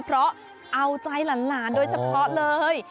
เพราะเอาใจหลานโดยเฉพาะเลย